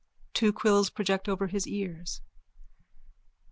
Two quills project over his ears.)